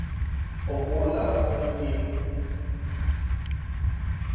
O kooi lahabali ŋmee.